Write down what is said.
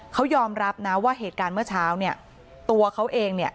เขายอมรับนะว่าเหตุการณ์เมื่อเช้าเนี่ยตัวเขาเองเนี่ย